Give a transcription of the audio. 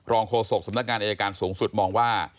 รองโคโศกสำนักงานในอัยการสูงสุดมองว่า